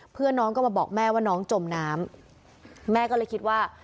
เพื่อนน้องก็มาบอกแม่ว่าน้องจมน้ำแม่ก็เลยคิดว่า